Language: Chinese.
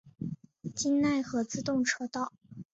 京奈和自动车道。